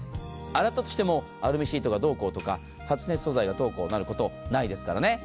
洗ったとしてもアルミシートがどうこうとか、発熱シートがどうこうとなることはないですからね。